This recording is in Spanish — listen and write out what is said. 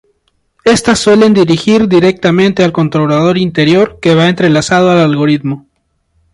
Estas suelen dirigir directamente al controlador interior que va entrelazado al algoritmo.